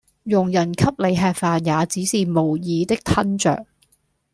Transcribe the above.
佣人給你吃飯也只是無意的吞著